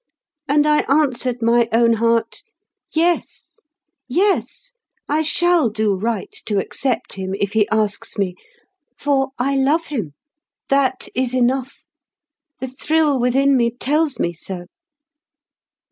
And I answered my own heart, Yes, yes, I shall do right to accept him, if he asks me; for I love him, that is enough. The thrill within me tells me so.